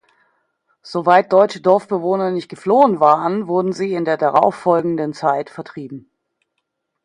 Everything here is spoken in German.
Soweit deutsche Dorfbewohner nicht geflohen waren, wurden sie in der darauf folgenden Zeit vertrieben.